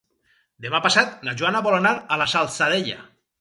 Demà passat na Joana vol anar a la Salzadella.